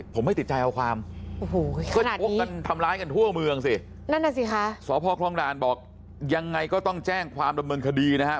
ผมไม่ติดใจเอาความพวกมันทำร้ายกันทั่วเมืองสิสพครองด่านบอกยังไงก็ต้องแจ้งความดำเนินคดีนะครับ